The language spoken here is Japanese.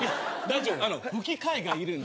吹き替えがいるんで。